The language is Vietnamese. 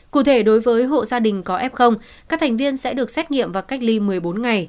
cụ thể đối với hộ gia đình có f các thành viên sẽ được xét nghiệm và cách ly một mươi bốn ngày